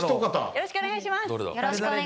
よろしくお願いします